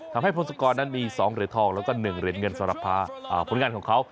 ทำให้โพงสกรนั้นมี๒เหรียญทองแล้วก็๑เหรียญเงินสารภาพลังงานของเขา